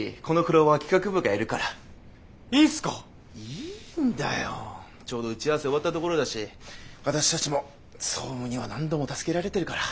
いいんだよちょうど打ち合わせ終わったところだし私たちも総務には何度も助けられてるから。